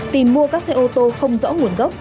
tìm mua các xe ô tô không rõ nguồn gốc